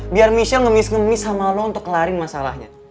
biar michelle ngemis ngemis sama lo untuk ngelarin masalahnya